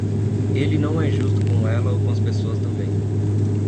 Ele não é justo com ela ou com as pessoas também.